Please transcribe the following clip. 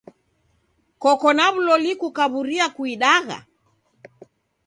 Koko na w'uloli kukaw'uria kuidagha?